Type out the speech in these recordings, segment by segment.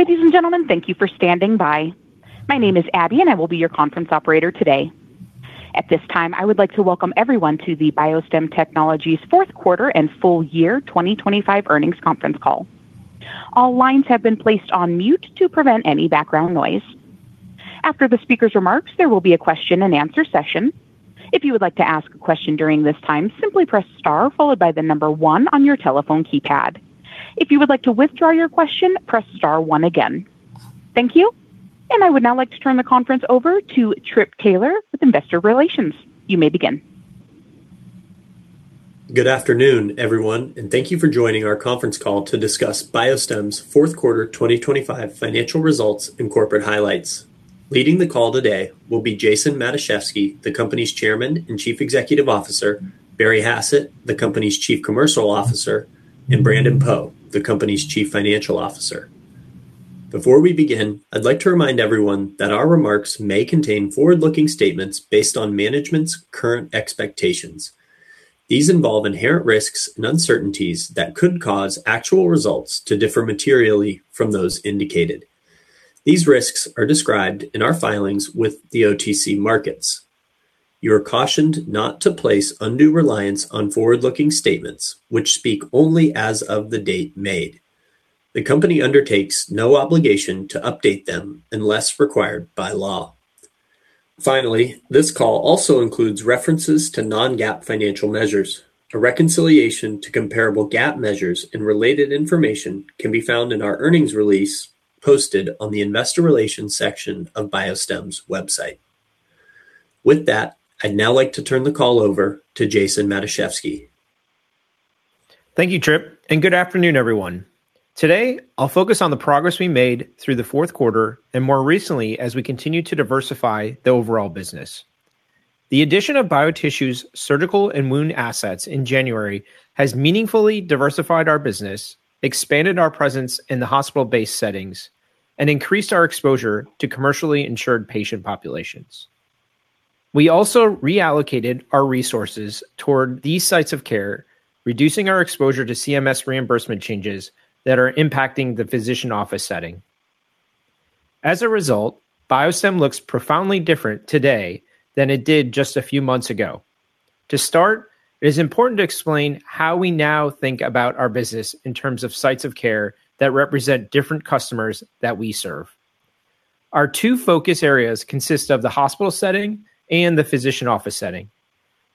Ladies and gentlemen, thank you for standing by. My name is Abby, and I will be your conference operator today. At this time, I would like to welcome everyone to the BioStem Technologies fourth quarter and full year 2025 earnings conference call. All lines have been placed on mute to prevent any background noise. After the speaker's remarks, there will be a question and answer session. If you would like to ask a question during this time, simply press star followed by the number one on your telephone keypad. If you would like to withdraw your question, press star one again. Thank you, and I would now like to turn the conference over to Trip Taylor with investor relations. You may begin. Good afternoon, everyone, and thank you for joining our conference call to discuss BioStem's fourth quarter 2025 financial results and corporate highlights. Leading the call today will be Jason Matuszewski, the company's Chairman and Chief Executive Officer, Barry Hassett, the company's Chief Commercial Officer, and Brandon Poe, the company's Chief Financial Officer. Before we begin, I'd like to remind everyone that our remarks may contain forward-looking statements based on management's current expectations. These involve inherent risks and uncertainties that could cause actual results to differ materially from those indicated. These risks are described in our filings with the OTC Markets. You are cautioned not to place undue reliance on forward-looking statements which speak only as of the date made. The company undertakes no obligation to update them unless required by law. Finally, this call also includes references to non-GAAP financial measures. A reconciliation to comparable GAAP measures and related information can be found in our earnings release posted on the investor relations section of BioStem's website. With that, I'd now like to turn the call over to Jason Matuszewski. Thank you, Trip, and good afternoon, everyone. Today, I'll focus on the progress we made through the fourth quarter and more recently as we continue to diversify the overall business. The addition of BioTissue's Surgical and Wound assets in January has meaningfully diversified our business, expanded our presence in the hospital-based settings, and increased our exposure to commercially insured patient populations. We also reallocated our resources toward these sites of care, reducing our exposure to CMS reimbursement changes that are impacting the physician office setting. As a result, BioStem looks profoundly different today than it did just a few months ago. To start, it is important to explain how we now think about our business in terms of sites of care that represent different customers that we serve. Our two focus areas consist of the hospital setting and the physician office setting.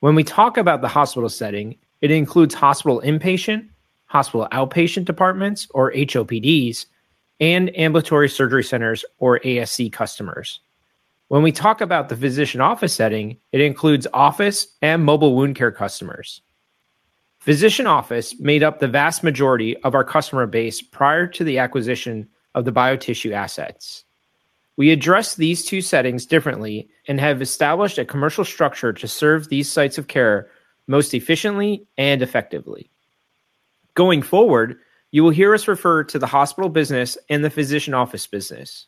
When we talk about the hospital setting, it includes hospital inpatient, hospital outpatient departments, or HOPDs, and ambulatory surgery centers, or ASC customers. When we talk about the physician office setting, it includes office and mobile wound care customers. Physician office made up the vast majority of our customer base prior to the acquisition of the BioTissue assets. We address these two settings differently and have established a commercial structure to serve these sites of care most efficiently and effectively. Going forward, you will hear us refer to the hospital business and the physician office business.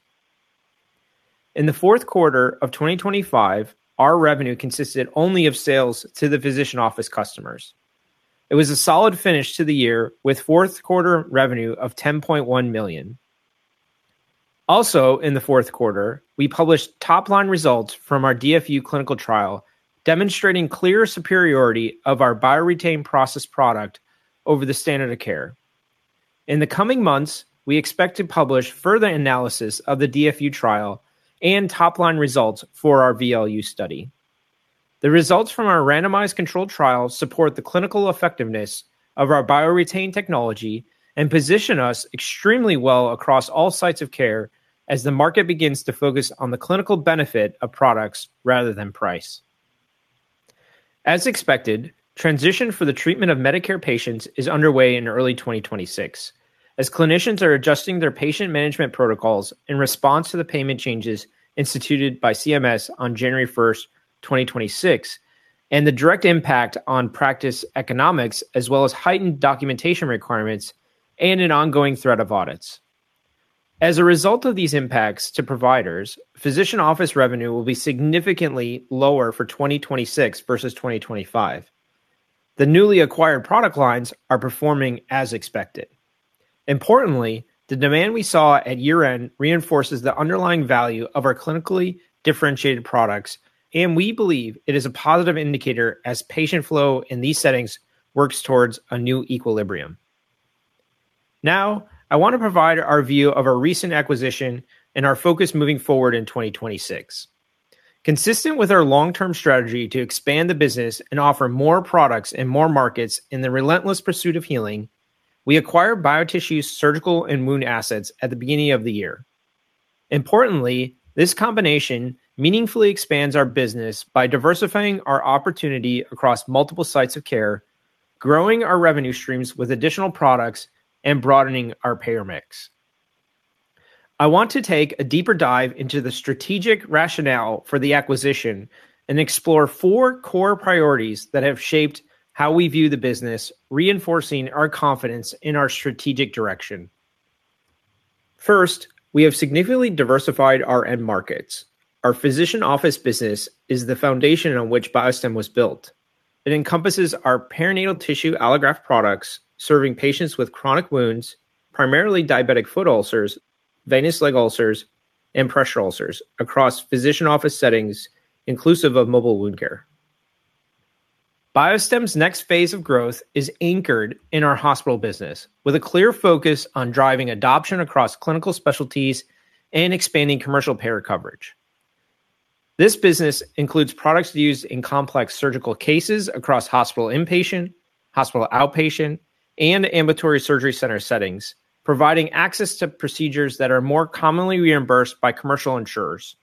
In the fourth quarter of 2025, our revenue consisted only of sales to the physician office customers. It was a solid finish to the year with fourth quarter revenue of $10.1 million. Also in the fourth quarter, we published top-line results from our DFU clinical trial, demonstrating clear superiority of our BioREtain process product over the standard of care. In the coming months, we expect to publish further analysis of the DFU trial and top-line results for our VLU study. The results from our randomized controlled trials support the clinical effectiveness of our BioREtain technology and position us extremely well across all sites of care as the market begins to focus on the clinical benefit of products rather than price. As expected, transition for the treatment of Medicare patients is underway in early 2026 as clinicians are adjusting their patient management protocols in response to the payment changes instituted by CMS on January 1st, 2026, and the direct impact on practice economics as well as heightened documentation requirements and an ongoing threat of audits. As a result of these impacts to providers, physician office revenue will be significantly lower for 2026 versus 2025. The newly acquired product lines are performing as expected. Importantly, the demand we saw at year-end reinforces the underlying value of our clinically differentiated products, and we believe it is a positive indicator as patient flow in these settings works towards a new equilibrium. Now, I want to provide our view of our recent acquisition and our focus moving forward in 2026. Consistent with our long-term strategy to expand the business and offer more products in more markets in the relentless pursuit of healing, we acquired BioTissue's Surgical and Wound assets at the beginning of the year. Importantly, this combination meaningfully expands our business by diversifying our opportunity across multiple sites of care, growing our revenue streams with additional products, and broadening our payer mix. I want to take a deeper dive into the strategic rationale for the acquisition and explore four core priorities that have shaped how we view the business, reinforcing our confidence in our strategic direction. First, we have significantly diversified our end markets. Our physician office business is the foundation on which BioStem was built. It encompasses our perinatal tissue allograft products serving patients with chronic wounds, primarily diabetic foot ulcers, venous leg ulcers, and pressure ulcers across physician office settings inclusive of mobile wound care. BioStem's next phase of growth is anchored in our hospital business with a clear focus on driving adoption across clinical specialties and expanding commercial payer coverage. This business includes products used in complex surgical cases across hospital inpatient, hospital outpatient, and ambulatory surgery center settings, providing access to procedures that are more commonly reimbursed by commercial insurers.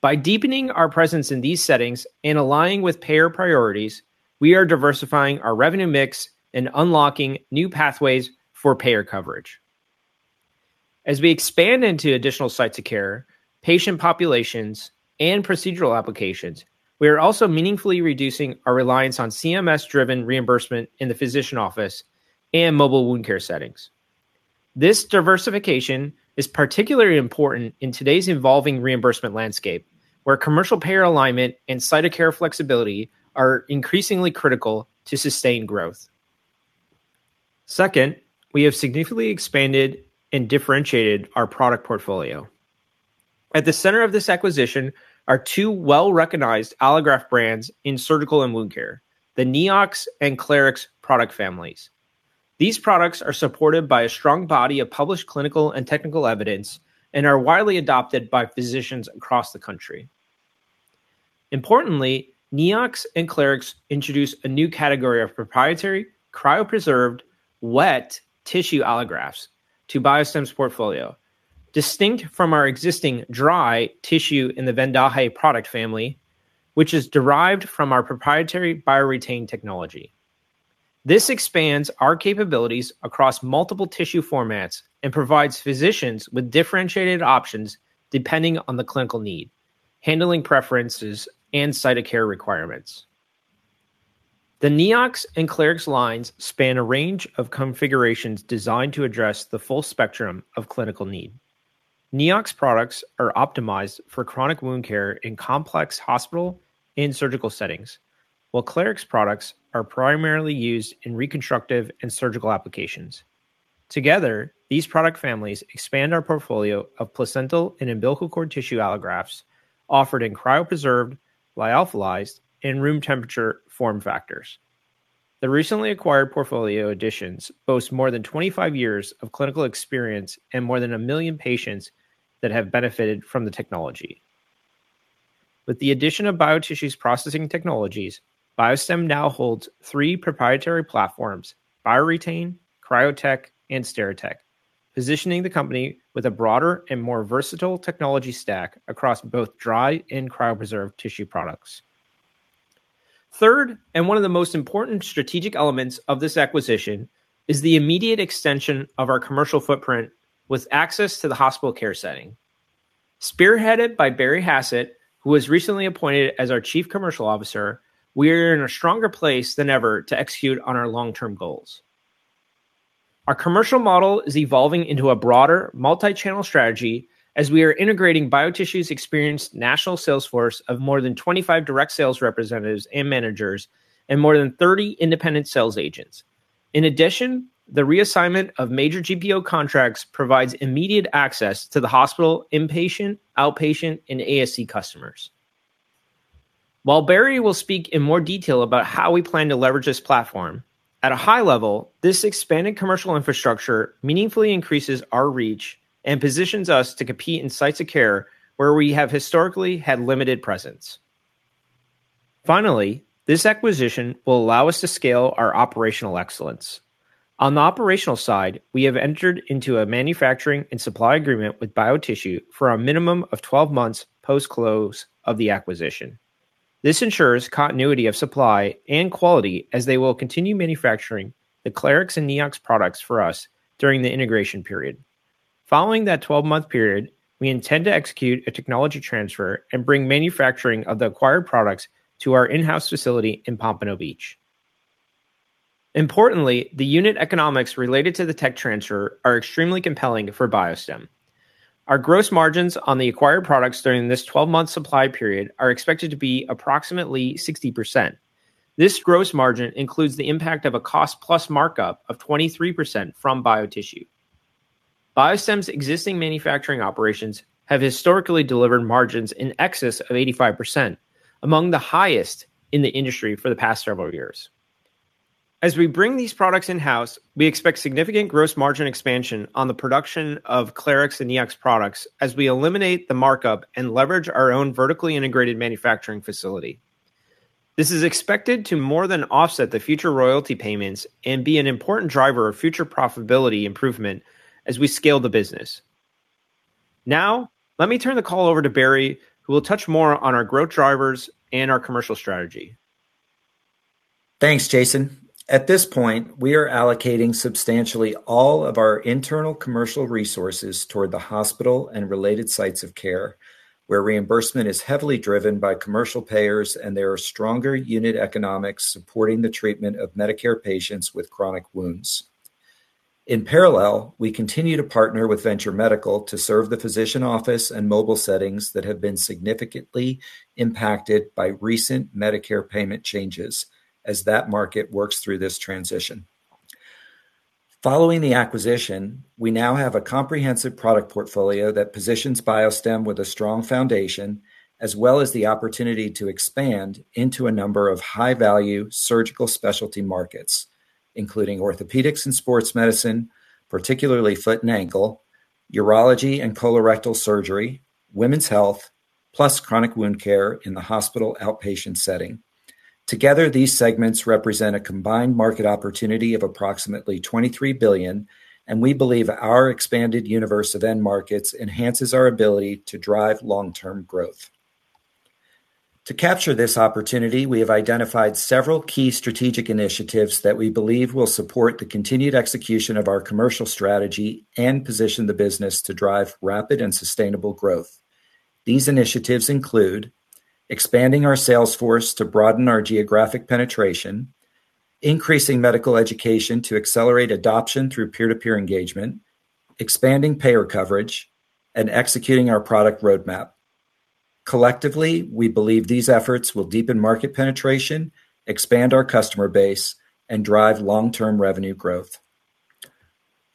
By deepening our presence in these settings and aligning with payer priorities, we are diversifying our revenue mix and unlocking new pathways for payer coverage. As we expand into additional sites of care, patient populations, and procedural applications, we are also meaningfully reducing our reliance on CMS-driven reimbursement in the physician office and mobile wound care settings. This diversification is particularly important in today's evolving reimbursement landscape, where commercial payer alignment and site of care flexibility are increasingly critical to sustain growth. Second, we have significantly expanded and differentiated our product portfolio. At the center of this acquisition are two well-recognized allograft brands in surgical and wound care, the Neox and Clarix product families. These products are supported by a strong body of published clinical and technical evidence and are widely adopted by physicians across the country. Importantly, Neox and Clarix introduce a new category of proprietary, cryopreserved, wet tissue allografts to BioStem's portfolio, distinct from our existing dry tissue in the VENDAJE product family, which is derived from our proprietary BioREtain technology. This expands our capabilities across multiple tissue formats and provides physicians with differentiated options depending on the clinical need, handling preferences, and site of care requirements. The Neox and Clarix lines span a range of configurations designed to address the full spectrum of clinical need. Neox products are optimized for chronic wound care in complex hospital and surgical settings, while Clarix products are primarily used in reconstructive and surgical applications. Together, these product families expand our portfolio of placental and umbilical cord tissue allografts offered in cryopreserved, lyophilized, and room temperature form factors. The recently acquired portfolio additions boast more than 25 years of clinical experience and more than 1 million patients that have benefited from the technology. With the addition of BioTissue's processing technologies, BioStem now holds three proprietary platforms, BioREtain, CryoTek, and SteriTek, positioning the company with a broader and more versatile technology stack across both dry and cryopreserved tissue products. Third, one of the most important strategic elements of this acquisition is the immediate extension of our commercial footprint with access to the hospital care setting. Spearheaded by Barry Hassett, who was recently appointed as our Chief Commercial Officer, we are in a stronger place than ever to execute on our long-term goals. Our commercial model is evolving into a broader multi-channel strategy as we are integrating BioTissue's experienced national sales force of more than 25 direct sales representatives and managers and more than 30 independent sales agents. In addition, the reassignment of major GPO contracts provides immediate access to the hospital inpatient, outpatient, and ASC customers. While Barry will speak in more detail about how we plan to leverage this platform, at a high level, this expanded commercial infrastructure meaningfully increases our reach and positions us to compete in sites of care where we have historically had limited presence. Finally, this acquisition will allow us to scale our operational excellence. On the operational side, we have entered into a manufacturing and supply agreement with BioTissue for a minimum of 12 months post-close of the acquisition. This ensures continuity of supply and quality as they will continue manufacturing the Clarix and Neox products for us during the integration period. Following that 12-month period, we intend to execute a technology transfer and bring manufacturing of the acquired products to our in-house facility in Pompano Beach. Importantly, the unit economics related to the tech transfer are extremely compelling for BioStem. Our gross margins on the acquired products during this 12-month supply period are expected to be approximately 60%. This gross margin includes the impact of a cost plus markup of 23% from BioTissue. BioStem's existing manufacturing operations have historically delivered margins in excess of 85%, among the highest in the industry for the past several years. As we bring these products in-house, we expect significant gross margin expansion on the production of Clarix and Neox products as we eliminate the markup and leverage our own vertically integrated manufacturing facility. This is expected to more than offset the future royalty payments and be an important driver of future profitability improvement as we scale the business. Now, let me turn the call over to Barry, who will touch more on our growth drivers and our commercial strategy. Thanks, Jason. At this point, we are allocating substantially all of our internal commercial resources toward the hospital and related sites of care, where reimbursement is heavily driven by commercial payers and there are stronger unit economics supporting the treatment of Medicare patients with chronic wounds. In parallel, we continue to partner with Venture Medical to serve the physician office and mobile settings that have been significantly impacted by recent Medicare payment changes as that market works through this transition. Following the acquisition, we now have a comprehensive product portfolio that positions BioStem with a strong foundation, as well as the opportunity to expand into a number of high-value surgical specialty markets, including orthopedics and sports medicine, particularly foot and ankle, urology and colorectal surgery, women's health, plus chronic wound care in the hospital outpatient setting. Together, these segments represent a combined market opportunity of approximately $23 billion, and we believe our expanded universe of end markets enhances our ability to drive long-term growth. To capture this opportunity, we have identified several key strategic initiatives that we believe will support the continued execution of our commercial strategy and position the business to drive rapid and sustainable growth. These initiatives include expanding our sales force to broaden our geographic penetration, increasing medical education to accelerate adoption through peer-to-peer engagement, expanding payer coverage, and executing our product roadmap. Collectively, we believe these efforts will deepen market penetration, expand our customer base, and drive long-term revenue growth.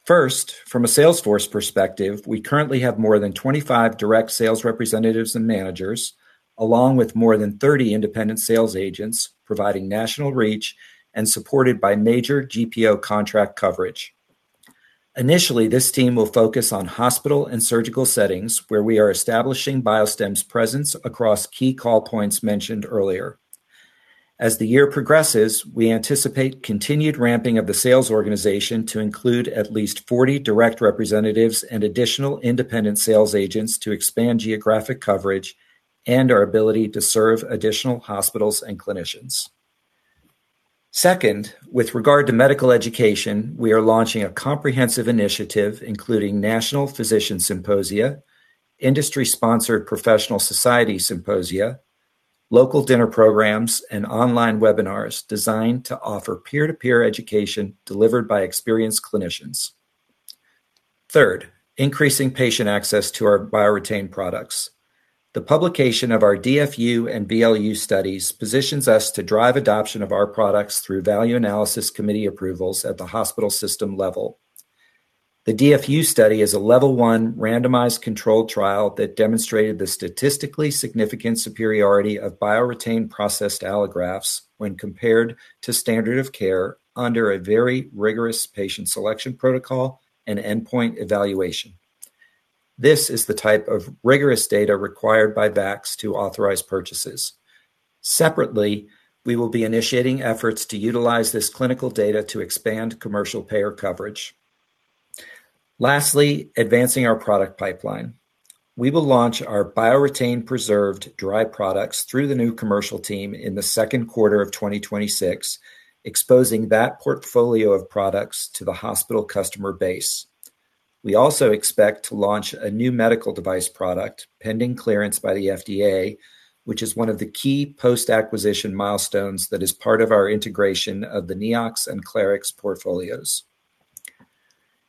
First, from a sales force perspective, we currently have more than 25 direct sales representatives and managers, along with more than 30 independent sales agents providing national reach and supported by major GPO contract coverage. Initially, this team will focus on hospital and surgical settings where we are establishing BioStem's presence across key call points mentioned earlier. As the year progresses, we anticipate continued ramping of the sales organization to include at least 40 direct representatives and additional independent sales agents to expand geographic coverage and our ability to serve additional hospitals and clinicians. Second, with regard to medical education, we are launching a comprehensive initiative, including national physician symposia, industry-sponsored professional society symposia, local dinner programs, and online webinars designed to offer peer-to-peer education delivered by experienced clinicians. Third, we are increasing patient access to our BioREtain products. The publication of our DFU and VLU studies positions us to drive adoption of our products through value analysis committee approvals at the hospital system level. The DFU study is a level one randomized controlled trial that demonstrated the statistically significant superiority of BioREtain processed allografts when compared to standard of care under a very rigorous patient selection protocol and endpoint evaluation. This is the type of rigorous data required by VACs to authorize purchases. Separately, we will be initiating efforts to utilize this clinical data to expand commercial payer coverage. Lastly, we are advancing our product pipeline. We will launch our BioREtain preserved dry products through the new commercial team in the second quarter of 2026, exposing that portfolio of products to the hospital customer base. We also expect to launch a new medical device product pending clearance by the FDA, which is one of the key post-acquisition milestones that is part of our integration of the Neox and Clarix portfolios.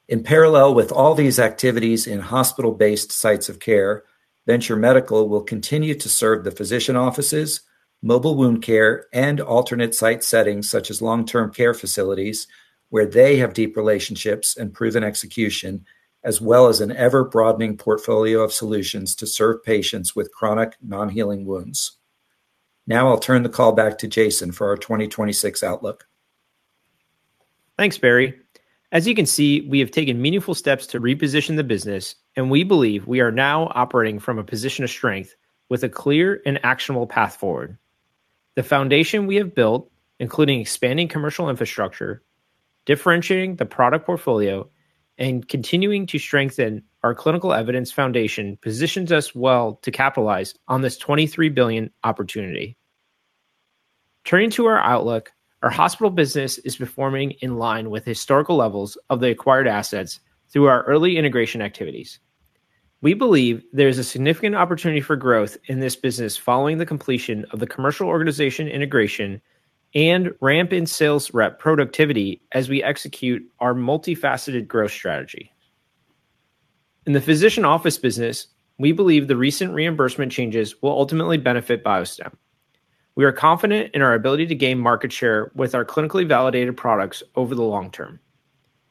In parallel with all these activities in hospital-based sites of care, Venture Medical will continue to serve the physician offices, mobile wound care, and alternate site settings, such as long-term care facilities, where they have deep relationships and proven execution, as well as an ever-broadening portfolio of solutions to serve patients with chronic non-healing wounds. Now I'll turn the call back to Jason for our 2026 outlook. Thanks, Barry. As you can see, we have taken meaningful steps to reposition the business, and we believe we are now operating from a position of strength with a clear and actionable path forward. The foundation we have built, including expanding commercial infrastructure, differentiating the product portfolio, and continuing to strengthen our clinical evidence foundation positions us well to capitalize on this $23 billion opportunity. Turning to our outlook, our hospital business is performing in line with historical levels of the acquired assets through our early integration activities. We believe there is a significant opportunity for growth in this business following the completion of the commercial organization integration and ramp in sales rep productivity as we execute our multifaceted growth strategy. In the physician office business, we believe the recent reimbursement changes will ultimately benefit BioStem. We are confident in our ability to gain market share with our clinically validated products over the long term.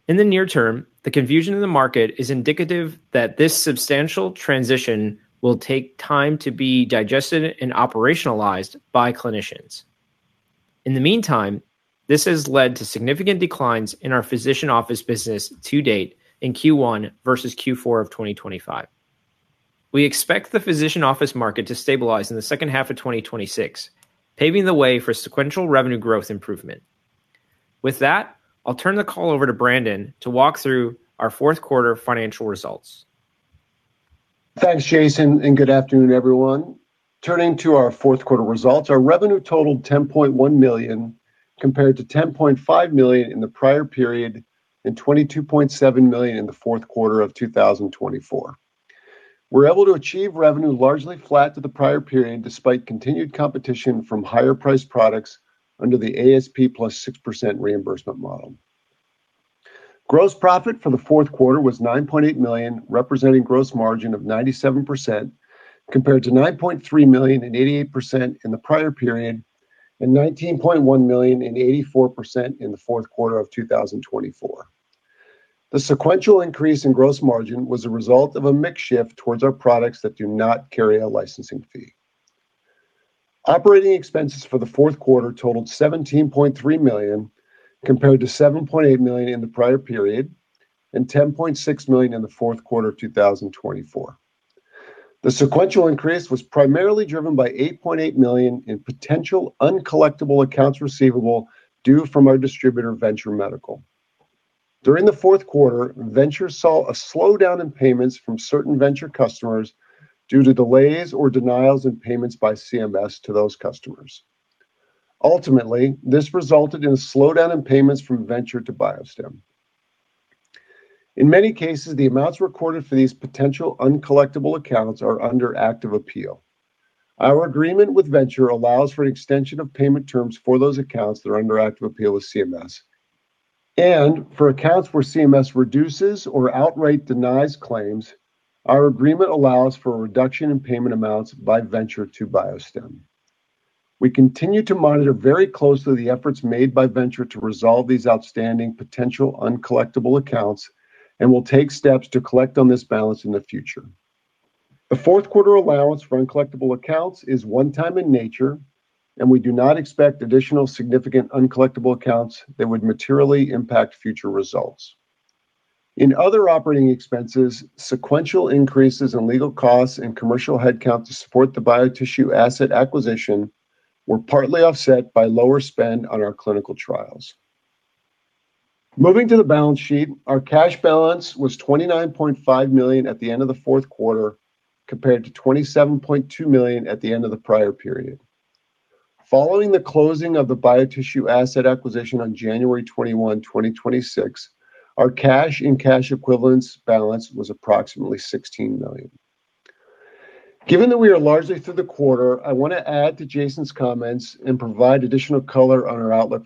In the near term, the confusion in the market is indicative that this substantial transition will take time to be digested and operationalized by clinicians. In the meantime, this has led to significant declines in our physician office business to date in Q1 versus Q4 of 2025. We expect the physician office market to stabilize in the second half of 2026, paving the way for sequential revenue growth improvement. With that, I'll turn the call over to Brandon to walk through our fourth quarter financial results. Thanks, Jason, and good afternoon, everyone. Turning to our fourth quarter results, our revenue totaled $10.1 million compared to $10.5 million in the prior period and $22.7 million in the fourth quarter of 2024. We're able to achieve revenue largely flat to the prior period, despite continued competition from higher priced products under the ASP +6% reimbursement model. Gross profit for the fourth quarter was $9.8 million, representing gross margin of 97% compared to $9.3 million and 88% in the prior period and $19.1 million and 84% in the fourth quarter of 2024. The sequential increase in gross margin was a result of a mix shift towards our products that do not carry a licensing fee. Operating expenses for the fourth quarter totaled $17.3 million, compared to $7.8 million in the prior period and $10.6 million in the fourth quarter of 2024. The sequential increase was primarily driven by $8.8 million in potential uncollectible accounts receivable due from our distributor, Venture Medical. During the fourth quarter, Venture saw a slowdown in payments from certain Venture customers due to delays or denials in payments by CMS to those customers. Ultimately, this resulted in a slowdown in payments from Venture to BioStem. In many cases, the amounts recorded for these potential uncollectible accounts are under active appeal. Our agreement with Venture allows for an extension of payment terms for those accounts that are under active appeal with CMS. For accounts where CMS reduces or outright denies claims, our agreement allows for a reduction in payment amounts by Venture to BioStem. We continue to monitor very closely the efforts made by Venture to resolve these outstanding potential uncollectible accounts, and we'll take steps to collect on this balance in the future. The fourth quarter allowance for uncollectible accounts is one time in nature, and we do not expect additional significant uncollectible accounts that would materially impact future results. In other operating expenses, sequential increases in legal costs and commercial headcount to support the BioTissue asset acquisition were partly offset by lower spend on our clinical trials. Moving to the balance sheet, our cash balance was $29.5 million at the end of the fourth quarter, compared to $27.2 million at the end of the prior period. Following the closing of the BioTissue asset acquisition on January 21, 2026, our cash and cash equivalents balance was approximately $16 million. Given that we are largely through the quarter, I want to add to Jason's comments and provide additional color on our outlook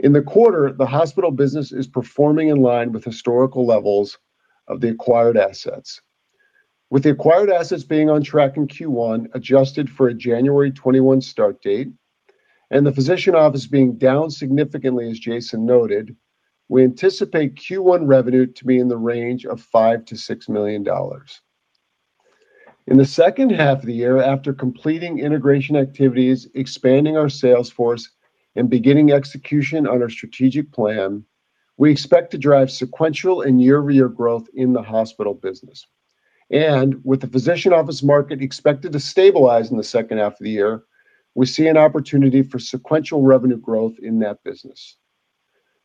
for Q1. In the quarter, the hospital business is performing in line with historical levels of the acquired assets. With the acquired assets being on track in Q1, adjusted for a January 21 start date and the physician office being down significantly, as Jason noted, we anticipate Q1 revenue to be in the range of $5 million-$6 million. In the second half of the year, after completing integration activities, expanding our sales force, and beginning execution on our strategic plan, we expect to drive sequential and year-over-year growth in the hospital business. With the physician office market expected to stabilize in the second half of the year, we see an opportunity for sequential revenue growth in that business.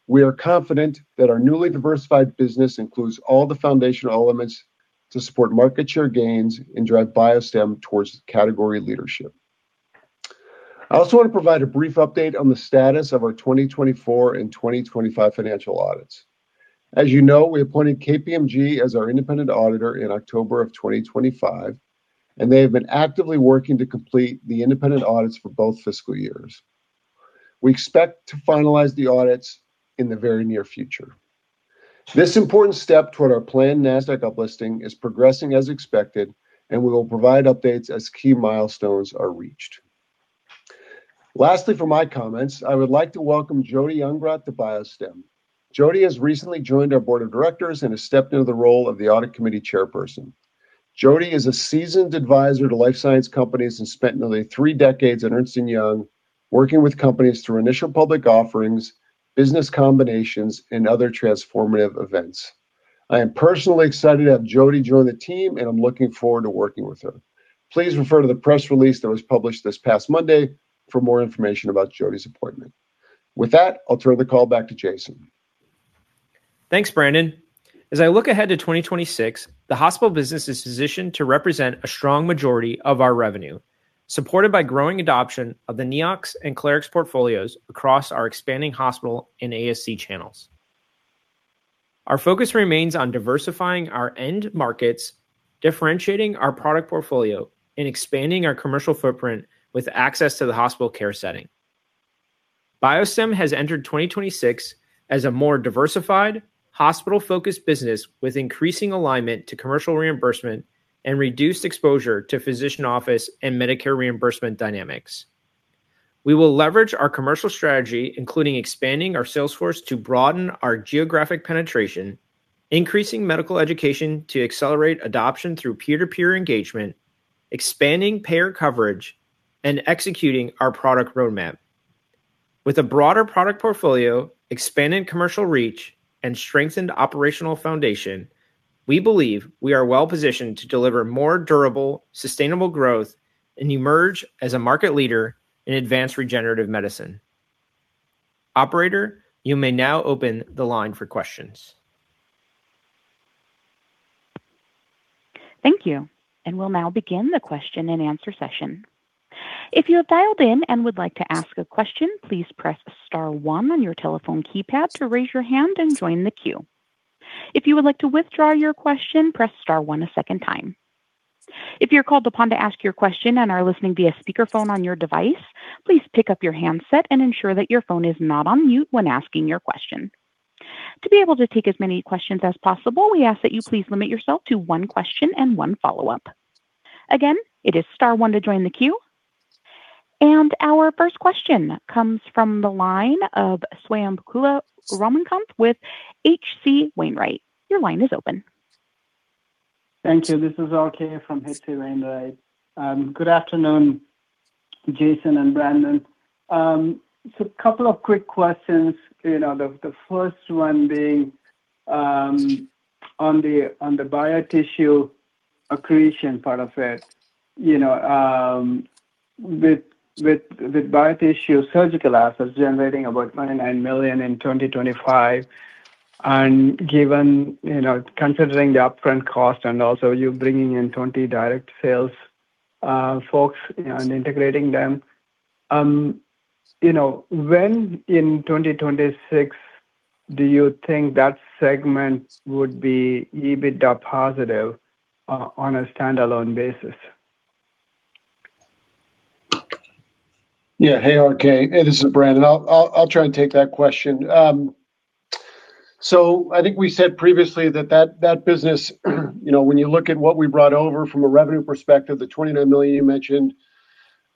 We are confident that our newly diversified business includes all the foundational elements to support market share gains and drive BioStem towards category leadership. I also want to provide a brief update on the status of our 2024 and 2025 financial audits. As you know, we appointed KPMG as our independent auditor in October of 2025, and they have been actively working to complete the independent audits for both fiscal years. We expect to finalize the audits in the very near future. This important step toward our planned Nasdaq uplisting is progressing as expected, and we will provide updates as key milestones are reached. Lastly, for my comments, I would like to welcome Jodi Ungrodt to BioStem. Jodi has recently joined our board of directors and has stepped into the role of the audit committee chairperson. Jodi is a seasoned advisor to life science companies and spent nearly three decades at Ernst & Young working with companies through initial public offerings, business combinations, and other transformative events. I am personally excited to have Jodi join the team, and I'm looking forward to working with her. Please refer to the press release that was published this past Monday for more information about Jodi's appointment. With that, I'll turn the call back to Jason. Thanks, Brandon. As I look ahead to 2026, the hospital business is positioned to represent a strong majority of our revenue, supported by growing adoption of the Neox and Clarix portfolios across our expanding hospital and ASC channels. Our focus remains on diversifying our end markets, differentiating our product portfolio, and expanding our commercial footprint with access to the hospital care setting. BioStem has entered 2026 as a more diversified, hospital-focused business with increasing alignment to commercial reimbursement and reduced exposure to physician office and Medicare reimbursement dynamics. We will leverage our commercial strategy, including expanding our sales force to broaden our geographic penetration, increasing medical education to accelerate adoption through peer-to-peer engagement, expanding payer coverage, and executing our product roadmap. With a broader product portfolio, expanded commercial reach, and strengthened operational foundation, we believe we are well-positioned to deliver more durable, sustainable growth and emerge as a market leader in advanced regenerative medicine. Operator, you may now open the line for questions. Thank you, and we'll now begin the question and answer session. If you have dialed in and would like to ask a question, please press star one on your telephone keypad to raise your hand and join the queue. If you would like to withdraw your question, press star one a second time. If you're called upon to ask your question and are listening via speakerphone on your device, please pick up your handset and ensure that your phone is not on mute when asking your question. To be able to take as many questions as possible, we ask that you please limit yourself to one question and one follow-up. Again, it is star one to join the queue. Our first question comes from the line of Swayampakula, Ramakanth with H.C. Wainwright. Your line is open. Thank you. This is RK from H.C. Wainwright. Good afternoon, Jason and Brandon. Just a couple of quick questions. You know, the first one being on the BioTissue accretion part of it. You know, with BioTissue surgical assets generating about $29 million in 2025, and given, you know, considering the upfront cost and also you bringing in 20 direct sales folks and integrating them, you know, when in 2026 do you think that segment would be EBITDA positive on a standalone basis? Hey, RK, it is Brandon. I'll try and take that question. I think we said previously that business, you know, when you look at what we brought over from a revenue perspective, the $29 million you mentioned,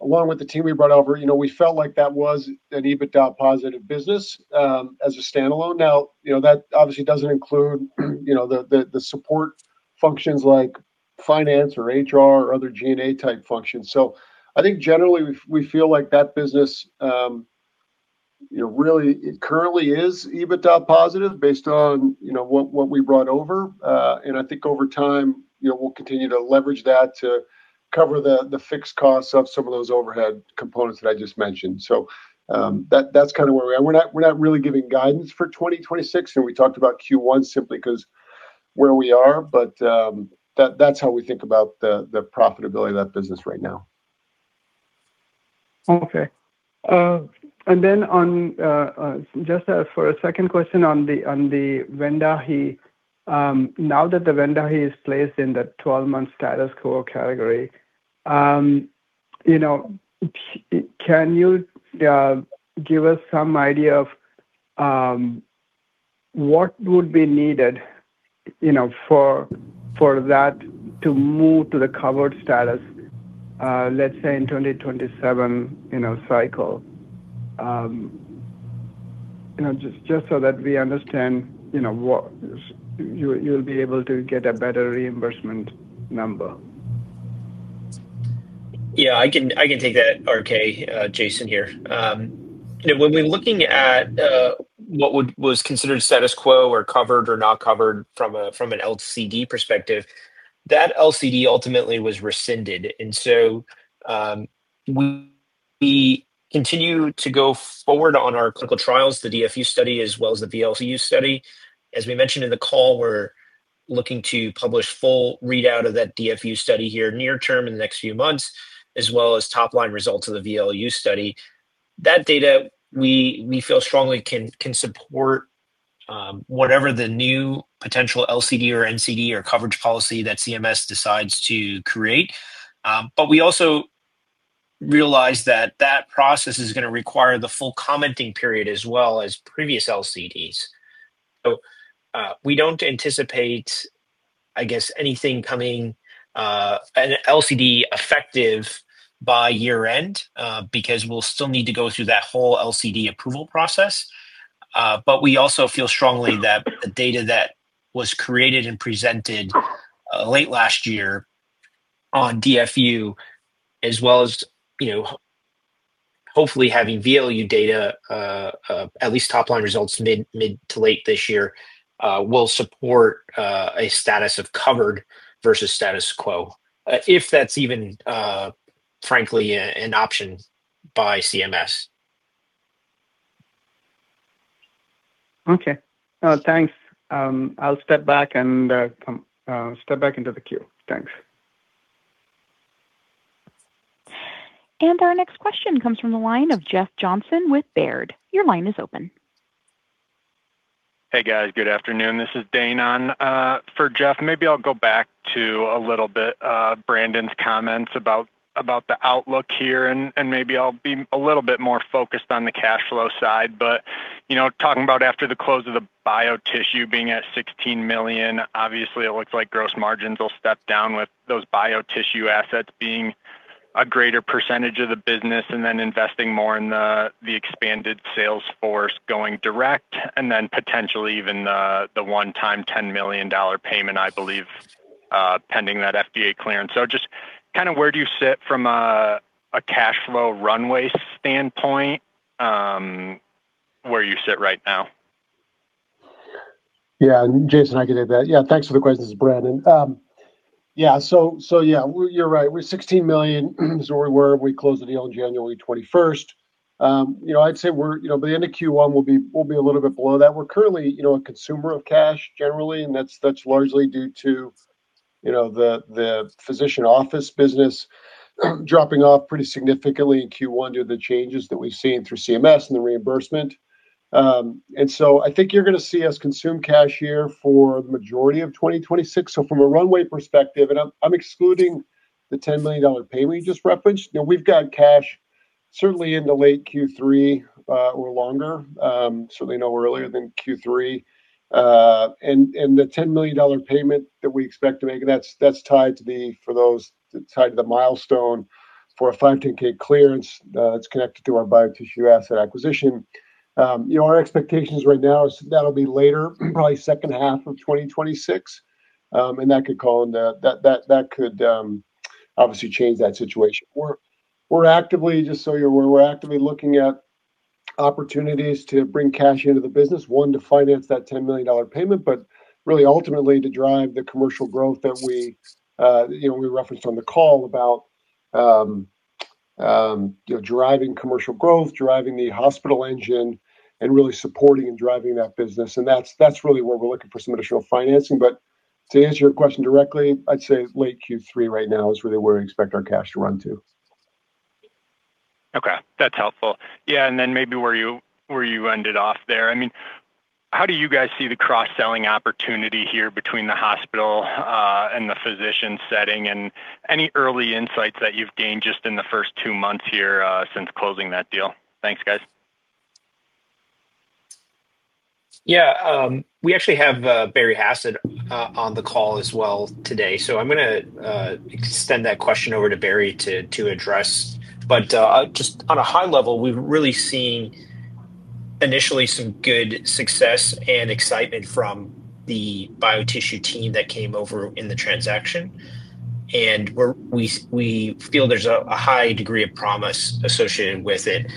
along with the team we brought over, you know, we felt like that was an EBITDA positive business, as a standalone. Now, you know, that obviously doesn't include, you know, the support functions like finance or HR or other G&A type functions. I think generally we feel like that business, you know, really it currently is EBITDA positive based on, you know, what we brought over. I think over time, you know, we'll continue to leverage that to cover the fixed costs of some of those overhead components that I just mentioned. That's kind of where we are. We're not really giving guidance for 2026, and we talked about Q1 simply 'cause where we are. That's how we think about the profitability of that business right now. Okay. Just for a second question on the VENDAJE. Now that the VENDAJE is placed in the 12-month status quo category, you know, can you give us some idea of what would be needed, you know, for that to move to the covered status, let's say in 2027, you know, cycle? You know, just so that we understand, you know, what you'll be able to get a better reimbursement number. Yeah, I can take that, RK. Jason here. You know, when we're looking at what was considered status quo or covered or not covered from an LCD perspective, that LCD ultimately was rescinded. We continue to go forward on our clinical trials, the DFU study as well as the VLU study. As we mentioned in the call, we're looking to publish full readout of that DFU study here near term in the next few months, as well as top-line results of the VLU study. That data we feel strongly can support whatever the new potential LCD or NCD or coverage policy that CMS decides to create. But we also realize that that process is gonna require the full commenting period as well as previous LCDs. We don't anticipate, I guess, anything coming an LCD effective by year end, because we'll still need to go through that whole LCD approval process. We also feel strongly that the data that was created and presented late last year on DFU as well as, you know, hopefully having VLU data at least top-line results mid to late this year will support a status of covered versus status quo if that's even frankly an option by CMS. Okay. Thanks. I'll step back into the queue. Thanks. Our next question comes from the line of Jeff Johnson with Baird. Your line is open. Hey, guys. Good afternoon. This is Dane on for Jeff. Maybe I'll go back to a little bit Brandon's comments about the outlook here, and maybe I'll be a little bit more focused on the cash flow side. You know, talking about after the close of the BioTissue being at $16 million, obviously it looks like gross margins will step down with those BioTissue assets being a greater percentage of the business and then investing more in the expanded sales force going direct and then potentially even the one-time $10 million payment, I believe, pending that FDA clearance. Just kind of where do you sit from a cash flow runway standpoint, where you sit right now? Yeah, Jeff, I can take that. Yeah, thanks for the question. This is Brandon. So yeah, you're right. We're $16 million is where we were. We closed the deal on January 21st. You know, I'd say we're, you know, by the end of Q1 we'll be a little bit below that. We're currently, you know, a consumer of cash generally, and that's largely due to you know, the physician office business dropping off pretty significantly in Q1 due to the changes that we've seen through CMS and the reimbursement. I think you're gonna see us consume cash here for the majority of 2026. From a runway perspective, I'm excluding the $10 million payment you just referenced. You know, we've got cash certainly into late Q3 or longer, certainly no earlier than Q3. The $10 million payment that we expect to make, that's tied to the milestone for a 510(k) clearance, that's connected to our BioTissue asset acquisition. You know, our expectations right now is that'll be later, probably second half of 2026, and that could obviously change that situation. We're actively, just so you're aware, we're actively looking at opportunities to bring cash into the business, one, to finance that $10 million payment, but really ultimately to drive the commercial growth that we, you know, we referenced on the call about, you know, driving commercial growth, driving the hospital engine, and really supporting and driving that business. That's really where we're looking for some additional financing. To answer your question directly, I'd say late Q3 right now is really where we expect our cash to run to. Okay. That's helpful. Yeah, and then maybe where you ended off there, I mean, how do you guys see the cross-selling opportunity here between the hospital and the physician setting, and any early insights that you've gained just in the first two months here since closing that deal? Thanks, guys. Yeah. We actually have Barry Hassett on the call as well today, so I'm gonna extend that question over to Barry to address. Just on a high level, we've really seen initially some good success and excitement from the BioTissue team that came over in the transaction. We feel there's a high degree of promise associated with it.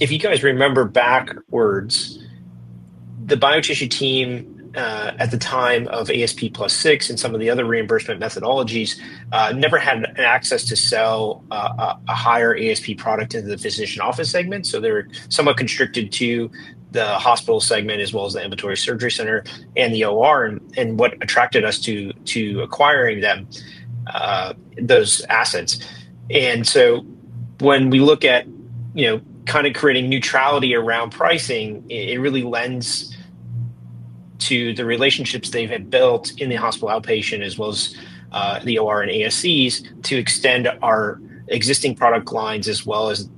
If you guys remember backwards, the BioTissue team at the time of ASP +6 and some of the other reimbursement methodologies never had an access to sell a higher ASP product into the physician office segment. They're somewhat constricted to the hospital segment as well as the ambulatory surgery center and the OR and what attracted us to acquiring them, those assets. When we look at, you know, kinda creating neutrality around pricing, it really lends to the relationships they've had built in the hospital outpatient as well as the OR and ASCs to extend our existing product lines as well as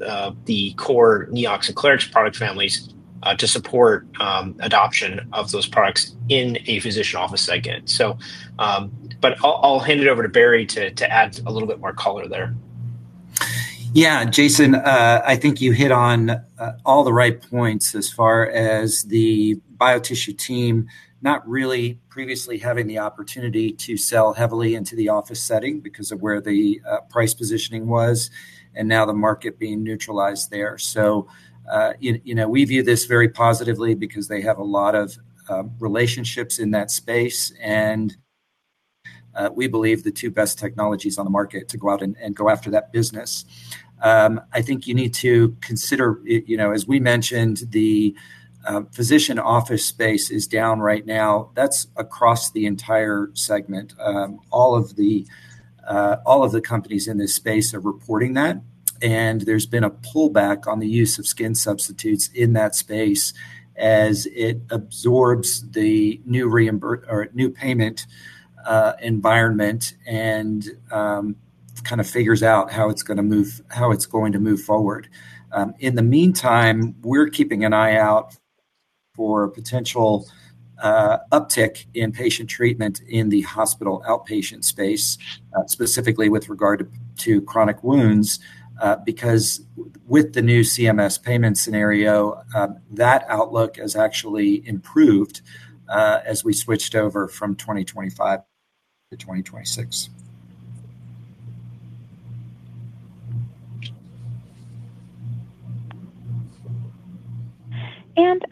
the core Neox and Clarix product families to support adoption of those products in a physician office segment. I'll hand it over to Barry to add a little bit more color there. Yeah. Jason, I think you hit on all the right points as far as the BioTissue team not really previously having the opportunity to sell heavily into the office setting because of where the price positioning was, and now the market being neutralized there. You know, we view this very positively because they have a lot of relationships in that space, and we believe the two best technologies on the market to go out and go after that business. I think you need to consider, you know, as we mentioned, the physician office space is down right now. That's across the entire segment. All of the companies in this space are reporting that. There's been a pullback on the use of skin substitutes in that space as it absorbs the new payment environment and kinda figures out how it's gonna move forward. In the meantime, we're keeping an eye out for potential uptick in patient treatment in the hospital outpatient space, specifically with regard to chronic wounds, because with the new CMS payment scenario, that outlook has actually improved, as we switched over from 2025 to 2026.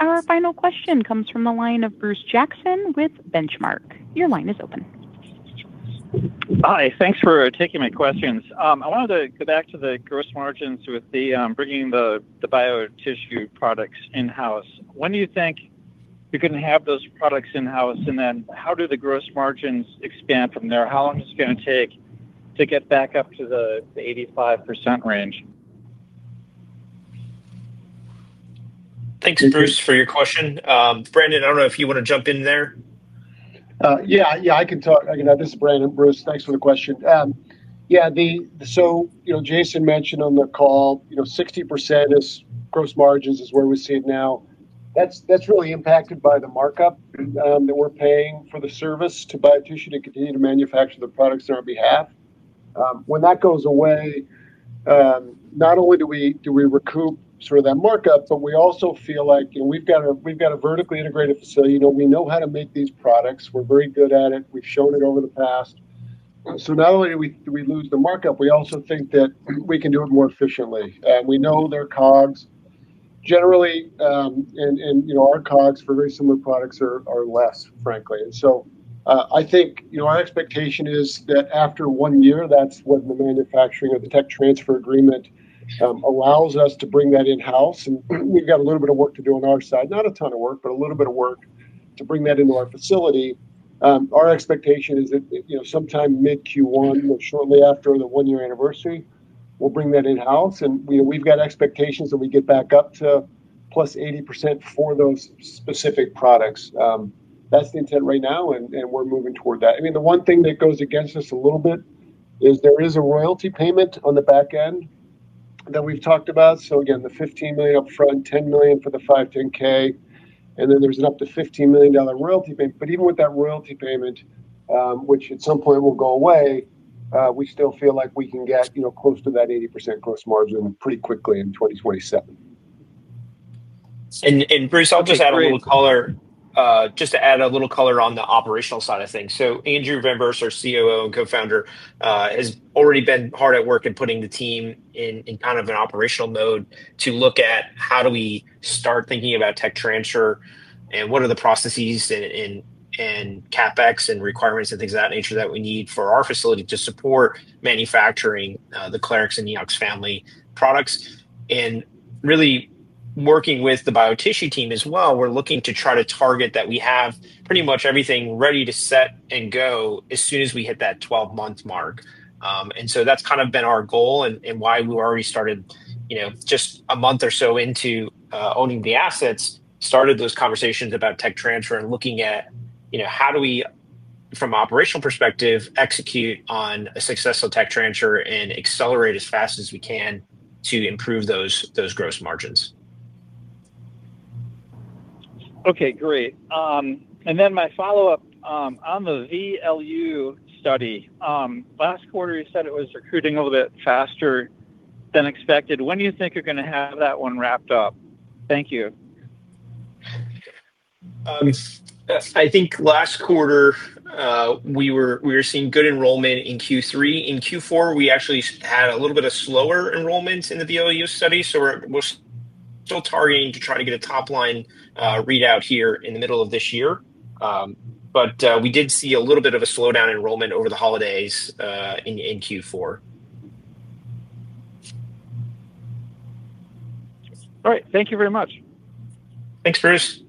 Our final question comes from the line of Bruce Jackson with Benchmark. Your line is open. Hi. Thanks for taking my questions. I wanted to go back to the gross margins with bringing the BioTissue products in-house. When do you think you're gonna have those products in-house? And then how do the gross margins expand from there? How long is it gonna take to get back up to the 85% range? Thanks, Bruce, for your question. Brandon, I don't know if you wanna jump in there. Yeah, I can talk, again. This is Brandon, Bruce. Thanks for the question. Jason mentioned on the call, you know, 60% gross margins is where we see it now. That's really impacted by the markup that we're paying for the service to BioTissue to continue to manufacture the products on our behalf. When that goes away, not only do we recoup sort of that markup, but we also feel like, you know, we've got a vertically integrated facility. You know, we know how to make these products. We're very good at it. We've shown it over the past. Not only do we lose the markup, we also think that we can do it more efficiently. We know their COGS. Generally, you know, our COGS for very similar products are less, frankly. I think, you know, our expectation is that after one year, that's when the manufacturing or the tech transfer agreement allows us to bring that in-house. We've got a little bit of work to do on our side. Not a ton of work, but a little bit of work to bring that into our facility. Our expectation is that, you know, sometime mid Q1 or shortly after the one-year anniversary, we'll bring that in-house. We've got expectations that we get back up to p+80% for those specific products. That's the intent right now, and we're moving toward that. I mean, the one thing that goes against us a little bit is there is a royalty payment on the back end that we've talked about. Again, the $15 million up front, $10 million for the 510(k), and then there's an up to $15 million royalty payment. Even with that royalty payment, which at some point will go away, we still feel like we can get, you know, close to that 80% gross margin pretty quickly in 2027. Bruce, I'll just add a little color on the operational side of things. Andrew Van Vurst, our COO and Co-Founder, has already been hard at work in putting the team in kind of an operational mode to look at how do we start thinking about tech transfer and what are the processes and CapEx and requirements and things of that nature that we need for our facility to support manufacturing the Clarix and Neox family products. Really working with the BioTissue team as well, we're looking to try to target that we have pretty much everything ready to set and go as soon as we hit that 12-month mark. That's kind of been our goal and why we already started, you know, just a month or so into owning the assets, started those conversations about tech transfer and looking at, you know, how do we from operational perspective execute on a successful tech transfer and accelerate as fast as we can to improve those gross margins. Okay, great. My follow-up on the VLU study last quarter you said it was recruiting a little bit faster than expected. When do you think you're going to have that one wrapped up? Thank you. I think last quarter, we were seeing good enrollment in Q3. In Q4, we actually had a little bit of slower enrollment in the VLU study. We're still targeting to try to get a top-line readout here in the middle of this year. We did see a little bit of a slowdown in enrollment over the holidays in Q4. All right. Thank you very much. Thanks, Bruce.